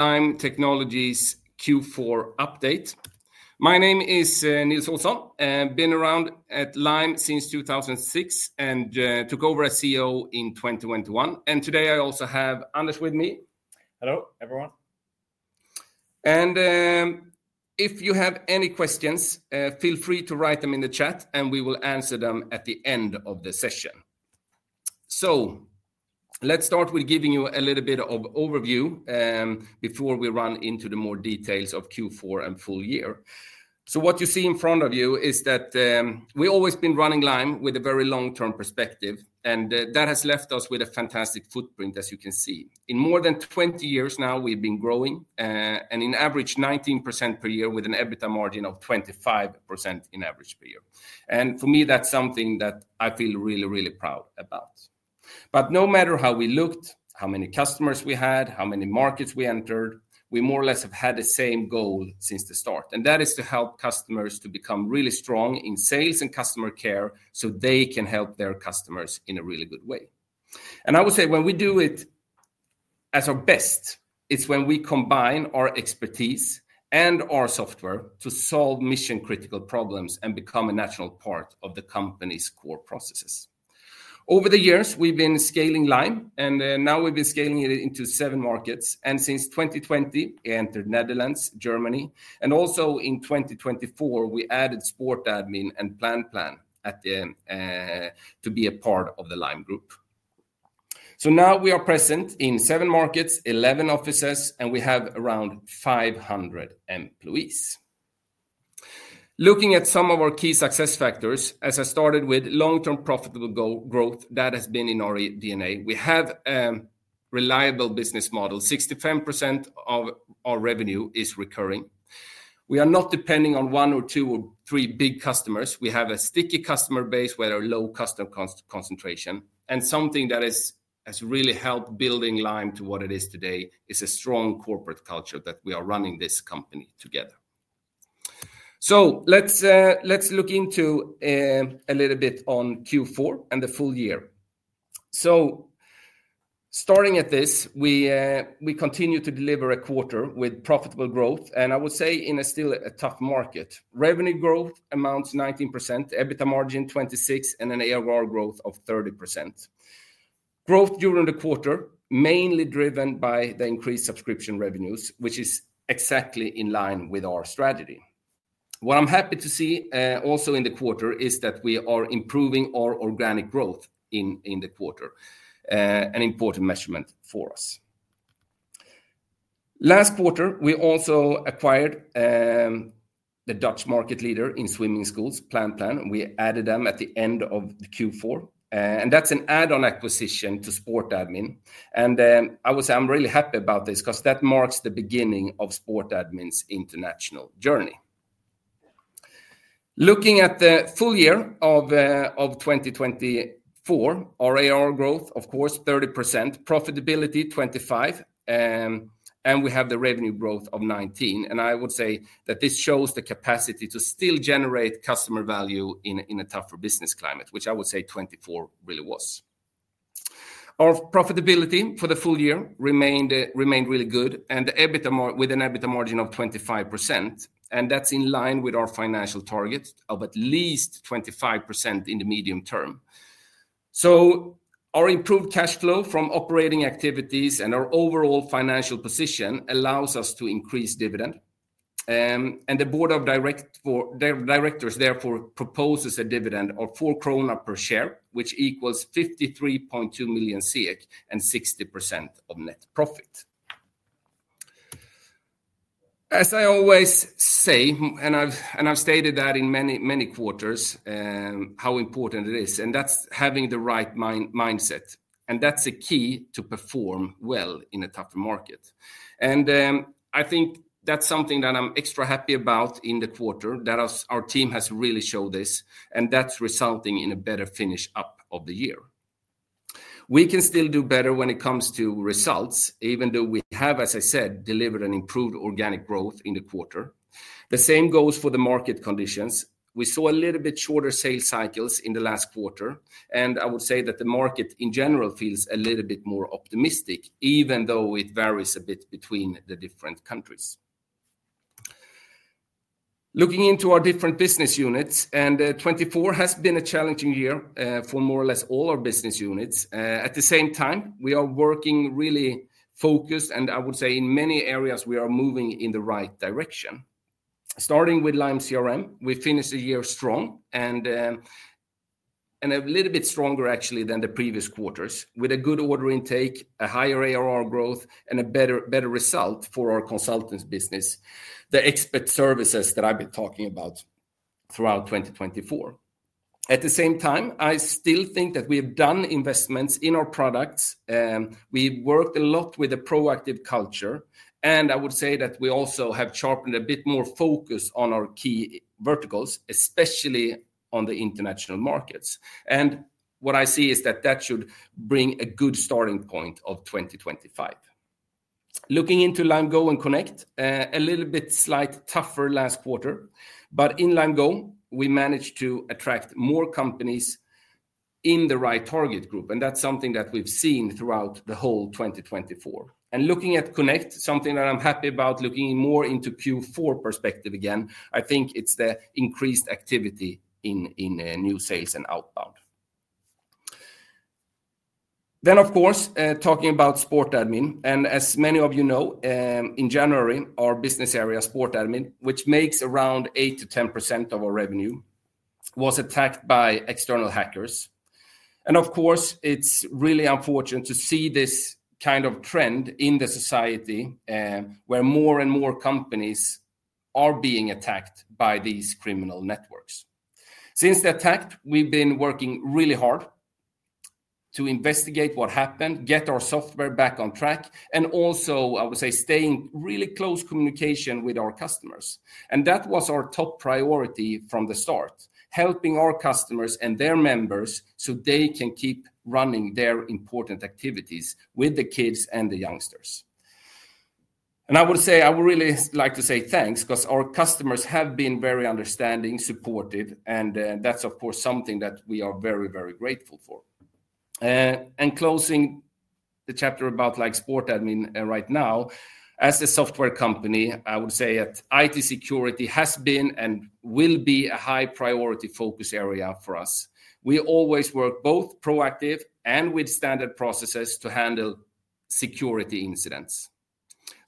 Lime Technologies Q4 update. My name is Nils Olsson. I've been around at Lime since 2006 and took over as CEO in 2021, and today I also have Anders with me. Hello, everyone. If you have any questions, feel free to write them in the chat, and we will answer them at the end of the session. Let's start with giving you a little bit of overview before we run into the more details of Q4 and full-year. What you see in front of you is that we've always been running Lime with a very long-term perspective, and that has left us with a fantastic footprint, as you can see. In more than 20 years now, we've been growing, and in average, 19% per year with an EBITDA margin of 25% in average per year. For me, that's something that I feel really, really proud about. No matter how we looked, how many customers we had, how many markets we entered, we more or less have had the same goal since the start. That is to help customers to become really strong in sales and customer care so they can help their customers in a really good way. I would say when we do it at our best, it's when we combine our expertise and our software to solve mission-critical problems and become a natural part of the company's core processes. Over the years, we've been scaling Lime, and now we've been scaling it into seven markets. Since 2020, we entered Netherlands, Germany, and also in 2024, we added SportAdmin and PlanPlan to be a part of the Lime Group. Now we are present in seven markets, 11 offices, and we have around 500 employees. Looking at some of our key success factors, as I started with, long-term profitable growth, that has been in our DNA. We have a reliable business model. 65% of our revenue is recurring. We are not depending on one or two or three big customers. We have a sticky customer base with a low customer concentration. And something that has really helped building Lime to what it is today is a strong corporate culture that we are running this company together. So let's look into a little bit on Q4 and the full-year. So starting at this, we continue to deliver a quarter with profitable growth. And I would say in still a tough market. Revenue growth amounts to 19%, EBITDA margin 26%, and an ARR growth of 30%. Growth during the quarter, mainly driven by the increased subscription revenues, which is exactly in line with our strategy. What I'm happy to see also in the quarter is that we are improving our organic growth in the quarter, an important measurement for us. Last quarter, we also acquired the Dutch market leader in swimming schools, PlanPlan. We added them at the end of Q4, and that's an add-on acquisition to SportAdmin, and I would say I'm really happy about this because that marks the beginning of SportAdmin's international journey. Looking at the full year of 2024, our ARR growth, of course, 30%, profitability 25%, and we have the revenue growth of 19%, and I would say that this shows the capacity to still generate customer value in a tougher business climate, which I would say 2024 really was. Our profitability for the full-year remained really good, with an EBITDA margin of 25%, and that's in line with our financial target of at least 25% in the medium-term, so our improved cash flow from operating activities and our overall financial position allows us to increase dividend. The Board of Directors, therefore, proposes a dividend of four kronor per share, which equals 53.2 million SEK and 60% of net profit. As I always say, and I've stated that in many quarters, how important it is, and that's having the right mindset. That's a key to perform well in a tougher market. I think that's something that I'm extra happy about in the quarter, that our team has really shown this, and that's resulting in a better finish up of the year. We can still do better when it comes to results, even though we have, as I said, delivered an improved organic growth in the quarter. The same goes for the market conditions. We saw a little bit shorter sales cycles in the last quarter. I would say that the market in general feels a little bit more optimistic, even though it varies a bit between the different countries. Looking into our different business units, 2024 has been a challenging year for more or less all our business units. At the same time, we are working really focused, and I would say in many areas, we are moving in the right direction. Starting with Lime CRM, we finished the year strong and a little bit stronger, actually, than the previous quarters, with a good order intake, a higher ARR growth, and a better result for our consultants' business, the Expert Services that I've been talking about throughout 2024. At the same time, I still think that we have done investments in our products. We've worked a lot with a proactive culture. I would say that we also have sharpened a bit more focus on our key verticals, especially on the international markets. What I see is that that should bring a good starting point of 2025. Looking into Lime Go and Connect, a little bit slight tougher last quarter. In Lime Go, we managed to attract more companies in the right target group. That's something that we've seen throughout the whole 2024. Looking at Connect, something that I'm happy about, looking more into Q4 perspective again, I think it's the increased activity in new sales and outbound. Then, of course, talking about SportAdmin. As many of you know, in January, our business area, SportAdmin, which makes around 8%-10% of our revenue, was attacked by external hackers. Of course, it's really unfortunate to see this kind of trend in the society where more and more companies are being attacked by these criminal networks. Since the attack, we've been working really hard to investigate what happened, get our software back on track, and also, I would say, stay in really close communication with our customers. That was our top priority from the start, helping our customers and their members so they can keep running their important activities with the kids and the youngsters. I would say I would really like to say thanks because our customers have been very understanding, supportive, and that's, of course, something that we are very, very grateful for. Closing the chapter about SportAdmin right now, as a software company, I would say that IT security has been and will be a high-priority focus area for us. We always work both proactive and with standard processes to handle security incidents,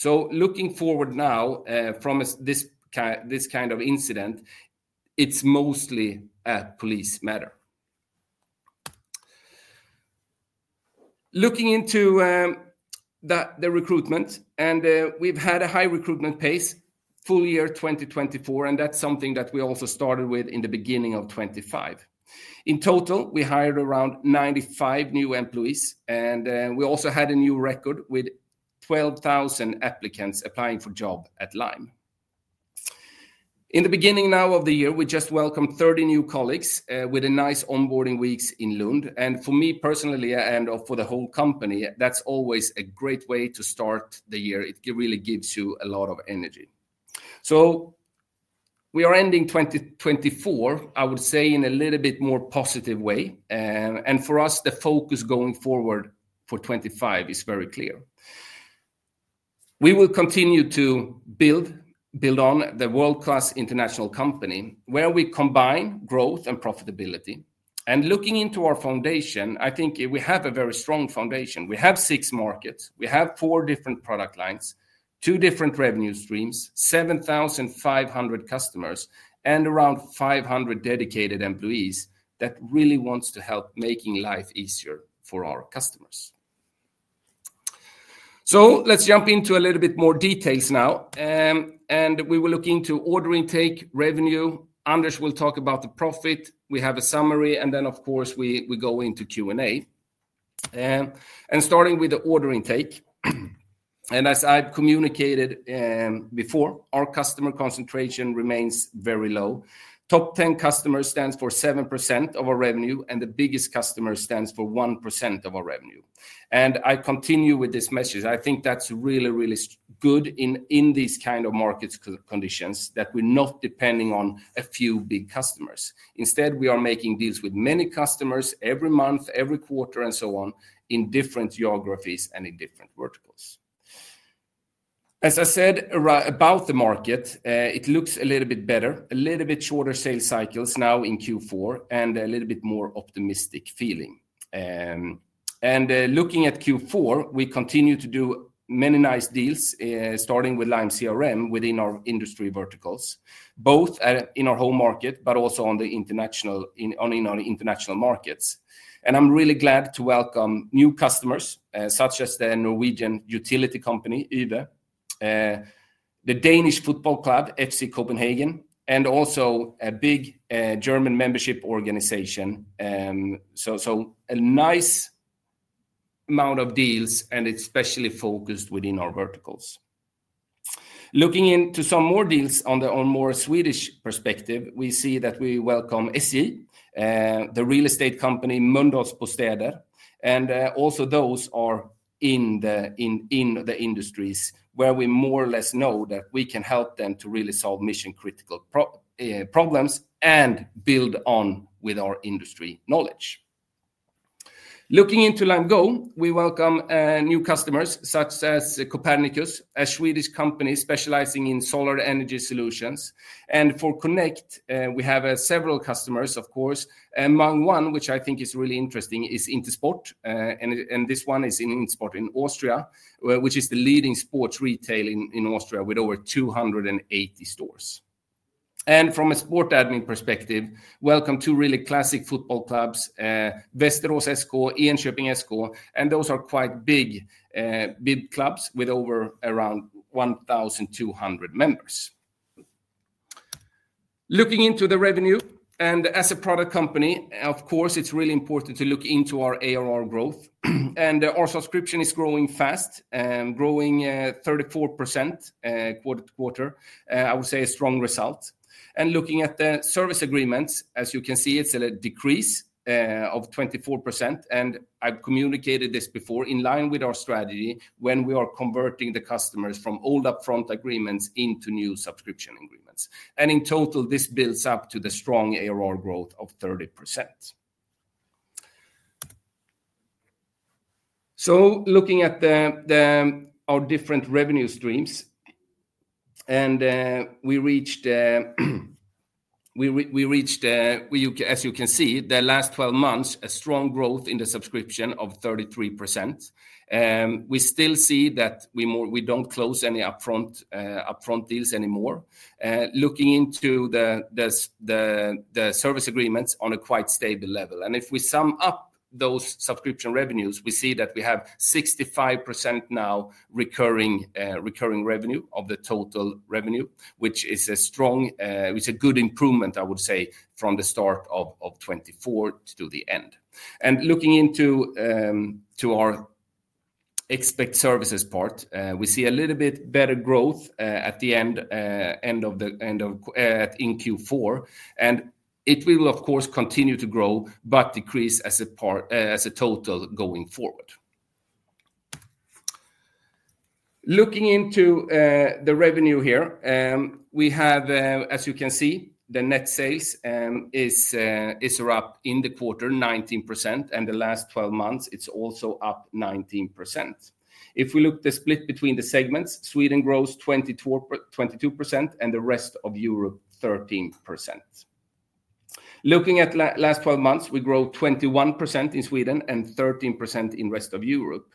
so looking forward now from this kind of incident, it's mostly a police matter. Looking into the recruitment, and we've had a high-recruitment pace, full-year 2024, and that's something that we also started with in the beginning of 2025. In total, we hired around 95 new employees, and we also had a new record with 12,000 applicants applying for jobs at Lime. In the beginning now of the year, we just welcomed 30 new colleagues with a nice onboarding week in Lund, and for me personally and for the whole company, that's always a great way to start the year. It really gives you a lot of energy, so we are ending 2024, I would say, in a little bit more positive way, and for us, the focus going forward for 2025 is very clear. We will continue to build on the world-class international company where we combine growth and profitability, and looking into our foundation, I think we have a very strong foundation. We have six markets. We have four different product lines, two different revenue streams, 7,500 customers, and around 500 dedicated employees that really want to help make life easier for our customers, so let's jump into a little bit more details now, and we will look into order intake, revenue. Anders will talk about the profit. We have a summary, and then, of course, we go into Q&A, and starting with the order intake, as I've communicated before, our customer concentration remains very low. Top 10 customers stands for 7% of our revenue, and the biggest customer stands for 1% of our revenue, and I continue with this message. I think that's really, really good in these kind of market conditions that we're not depending on a few big customers. Instead, we are making deals with many customers every month, every quarter, and so on in different geographies and in different verticals. As I said about the market, it looks a little bit better, a little bit shorter sales cycles now in Q4, and a little bit more optimistic feeling. Looking at Q4, we continue to do many nice deals, starting with Lime CRM within our industry verticals, both in our home market, but also in our international markets. I'm really glad to welcome new customers such as the Norwegian utility company, Yve, the Danish football club, FC Copenhagen, and also a big German membership organization. A nice amount of deals, and it's especially focused within our verticals. Looking into some more deals on the more Swedish perspective, we see that we welcome SJ, the real estate company, Mölndalsbostäder. And also those are in the industries where we more or less know that we can help them to really solve mission-critical problems and build on with our industry knowledge. Looking into Lime Go, we welcome new customers such as Kopernicus, a Swedish company specializing in solar energy solutions. And for Connect, we have several customers, of course. Among one, which I think is really interesting, is Intersport. And this one is in Intersport in Austria, which is the leading sports retail in Austria with over 280 stores. And from a SportAdmin perspective, welcome to really classic football clubs, Västerås SK, Enköpings SK. And those are quite big clubs with over around 1,200 members. Looking into the revenue, and as a product company, of course, it's really important to look into our ARR growth. And our subscription is growing fast, growing 34% quarter-to-quarter. I would say a strong result. And looking at the service agreements, as you can see, it's a decrease of 24%. And I've communicated this before in line with our strategy when we are converting the customers from old upfront agreements into new subscription agreements. And in total, this builds up to the strong ARR growth of 30%. So looking at our different revenue streams, and we reached, as you can see, the last 12 months, a strong growth in the subscription of 33%. We still see that we don't close any upfront deals anymore. Looking into the service agreements on a quite stable level. If we sum up those subscription revenues, we see that we have 65% now recurring revenue of the total revenue, which is a strong, which is a good improvement, I would say, from the start of 2024 to the end. Looking into our Professional Services part, we see a little bit better growth at the end of in Q4. It will, of course, continue to grow, but decrease as a total going forward. Looking into the revenue here, we have, as you can see, the Net Sales is up in the quarter, 19%. The last 12 months, it's also up 19%. If we look at the split between the segments, Sweden grows 22% and the rest of Europe 13%. Looking at the last 12 months, we grow 21% in Sweden and 13% in the rest of Europe.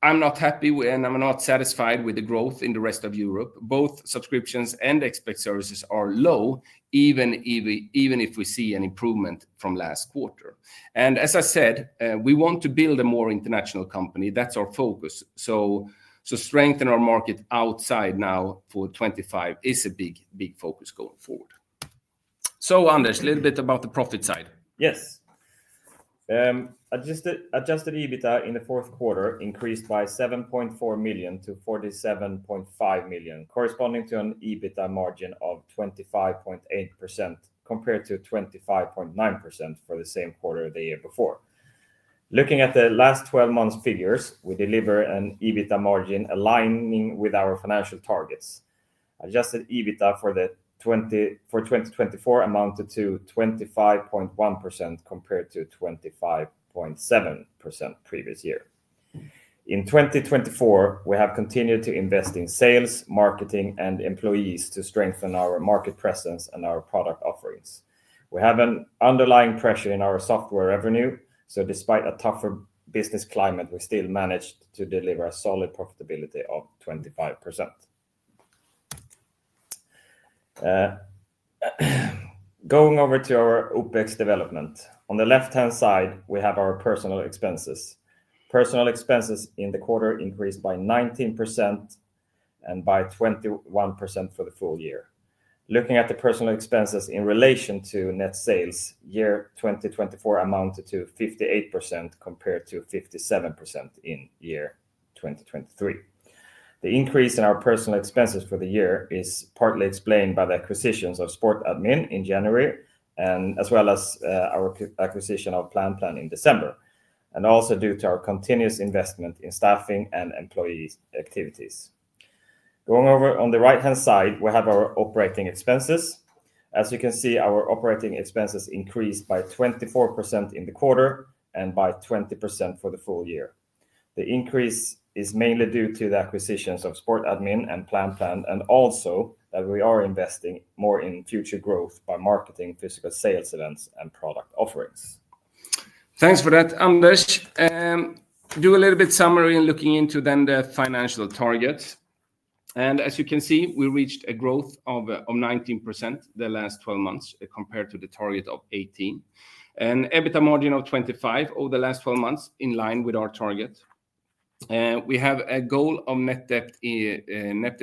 I'm not happy and I'm not satisfied with the growth in the rest of Europe. Both subscriptions and Expert Services are low, even if we see an improvement from last quarter. As I said, we want to build a more international company. That's our focus. Strengthen our market outside Nordics for 2025 is a big, big focus going forward. Anders, a little bit about the profit side. Yes. Adjusted EBITDA in the fourth quarter increased by 7.4 million to 47.5 million, corresponding to an EBITDA margin of 25.8% compared to 25.9% for the same quarter the year before. Looking at the last 12 months figures, we deliver an EBITDA margin aligning with our financial targets. Adjusted EBITDA for 2024 amounted to 25.1% compared to 25.7% previous year. In 2024, we have continued to invest in sales, marketing, and employees to strengthen our market presence and our product offerings. We have an underlying pressure in our software revenue. So despite a tougher business climate, we still managed to deliver a solid profitability of 25%. Going over to our OpEx development. On the left-hand side, we have our personnel expenses. Personnel expenses in the quarter increased by 19% and by 21% for the full-year. Looking at the personnel expenses in relation to Net Sales, year 2024 amounted to 58% compared to 57% in year 2023. The increase in our personnel expenses for the year is partly explained by the acquisitions of SportAdmin in January, as well as our acquisition of PlanPlan in December, and also due to our continuous investment in staffing and employee activities. Going over on the right-hand side, we have our operating expenses. As you can see, our operating expenses increased by 24% in the quarter and by 20% for the full-year. The increase is mainly due to the acquisitions of SportAdmin and PlanPlan, and also that we are investing more in future growth by marketing physical sales events and product offerings. Thanks for that, Anders. Do a little bit summary looking into the financial targets, and as you can see, we reached a growth of 19% the last 12 months compared to the target of 18%, and EBITDA margin of 25% over the last 12 months in line with our target. We have a goal of Net Debt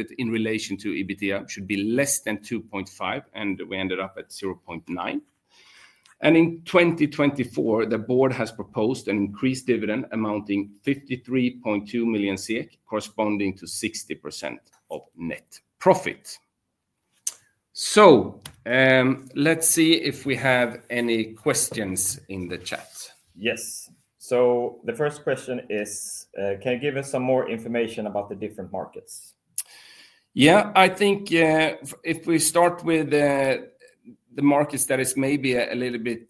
to EBITDA should be less than 2.5x, and we ended up at 0.9x, and in 2024, the Board has proposed an increased dividend amounting to 53.2 million SEK, corresponding to 60% of net profit. So let's see if we have any questions in the chat. Yes. So the first question is, can you give us some more information about the different markets? Yeah, I think if we start with the markets that is maybe a little bit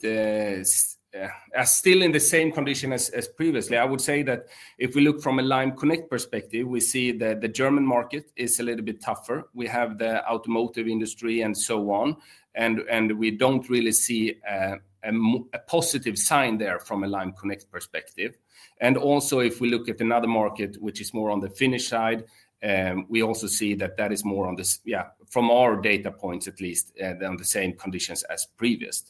still in the same condition as previously, I would say that if we look from a Lime Connect perspective, we see that the German market is a little bit tougher. We have the automotive industry and so on, and we don't really see a positive sign there from a Lime Connect perspective. And also, if we look at another market, which is more on the Finnish side, we also see that that is more on the, yeah, from our data points, at least on the same conditions as previous.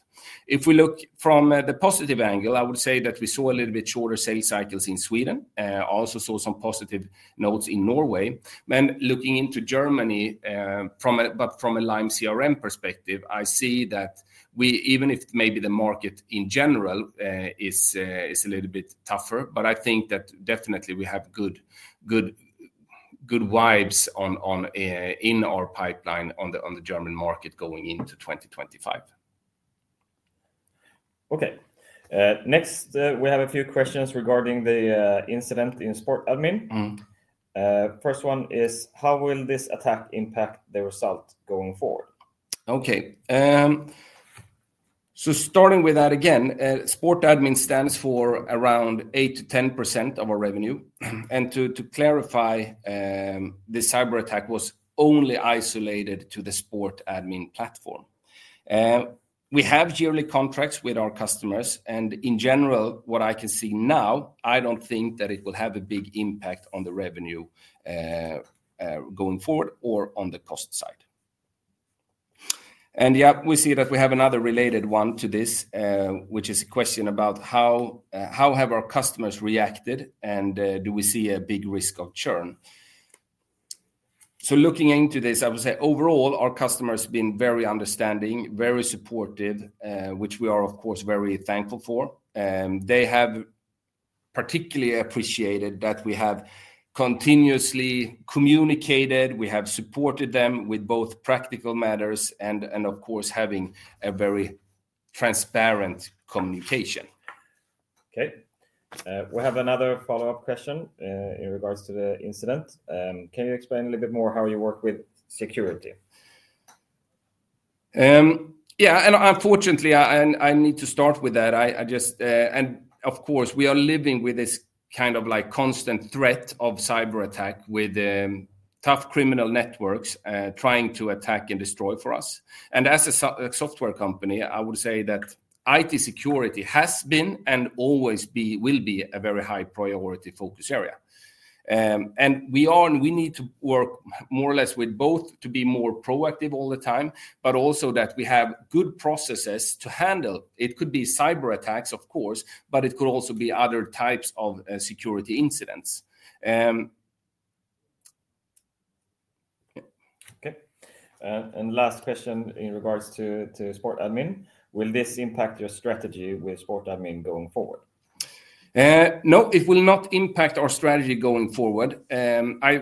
If we look from the positive angle, I would say that we saw a little bit shorter sales cycles in Sweden. I also saw some positive notes in Norway. When looking into Germany, but from a Lime CRM perspective, I see that we, even if maybe the market in general is a little bit tougher, but I think that definitely we have good vibes in our pipeline on the German market going into 2025. Okay. Next, we have a few questions regarding the incident in SportAdmin. First one is, how will this attack impact the result going forward? Okay. So starting with that again, SportAdmin stands for around 8%-10% of our revenue. And to clarify, the cyber-attack was only isolated to the SportAdmin platform. We have yearly contracts with our customers. In general, what I can see now, I don't think that it will have a big impact on the revenue going forward or on the cost side. Yeah, we see that we have another related one to this, which is a question about how have our customers reacted and do we see a big risk of churn. Looking into this, I would say overall, our customers have been very understanding, very supportive, which we are, of course, very thankful for. They have particularly appreciated that we have continuously communicated. We have supported them with both practical matters and, of course, having a very transparent communication. Okay. We have another follow-up question in regards to the incident. Can you explain a little bit more how you work with security? Yeah, and unfortunately, I need to start with that. Of course, we are living with this kind of constant threat of cyber attack with tough criminal networks trying to attack and destroy for us. As a software company, I would say that IT security has been and always will be a very-high-priority focus area. We need to work more or less with both to be more proactive all the time, but also that we have good processes to handle. It could be cyber-attacks, of course, but it could also be other types of security incidents. Okay. Last question in regards to SportAdmin. Will this impact your strategy with SportAdmin going forward? No, it will not impact our strategy going forward.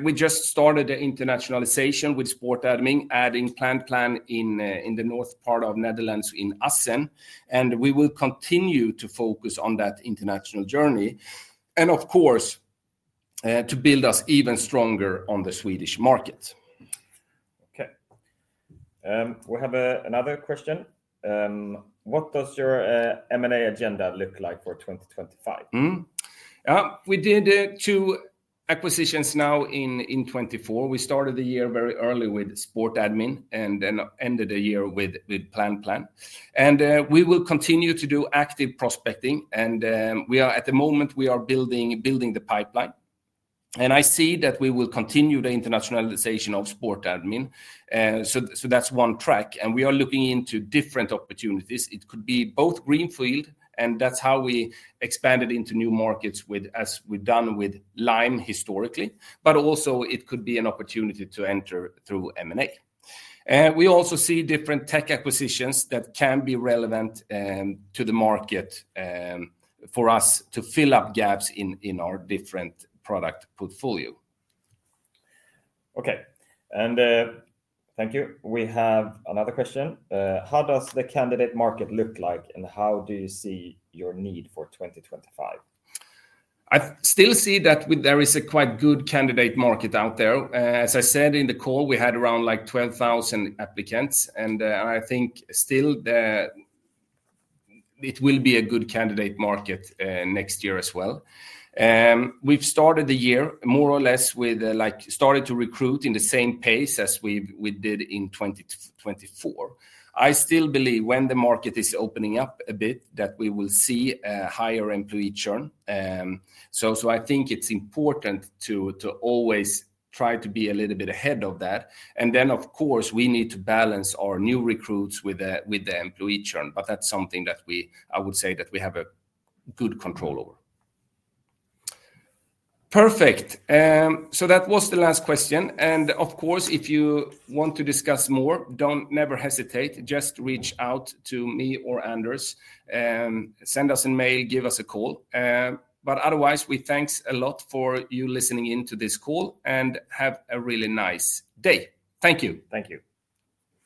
We just started the internationalization with SportAdmin, adding PlanPlan in the north part of Netherlands in Assen. And we will continue to focus on that international journey and, of course, to build us even stronger on the Swedish market. Okay. We have another question. What does your M&A agenda look like for 2025? We did two acquisitions now in 2024. We started the year very early with SportAdmin and then ended the year with PlanPlan. And we will continue to do active prospecting. And at the moment, we are building the pipeline. And I see that we will continue the internationalization of SportAdmin. So that's one track. And we are looking into different opportunities. It could be both greenfield. And that's how we expanded into new markets as we've done with Lime historically. But also, it could be an opportunity to enter through M&A. We also see different tech acquisitions that can be relevant to the market for us to fill up gaps in our different product portfolio. Okay. And thank you. We have another question. How does the candidate market look like and how do you see your need for 2025? I still see that there is a quite good candidate market out there. As I said in the call, we had around like 12,000 applicants. And I think still it will be a good candidate market next year as well. We've started the year more or less with started to recruit in the same pace as we did in 2024. I still believe when the market is opening up a bit that we will see a higher employee churn. So I think it's important to always try to be a little bit ahead of that. And then, of course, we need to balance our new recruits with the employee churn. But that's something that I would say that we have good control over. Perfect. So that was the last question. And of course, if you want to discuss more, never hesitate. Just reach out to me or Anders. Send us an email, give us a call. But otherwise, we thank a lot for you listening into this call and have a really nice day. Thank you. Thank you.